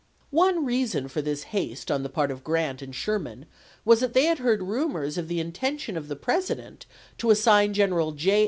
One reason for this haste on the part of Grant and Sherman was that they had heard rumors of the intention of the President to assign General J.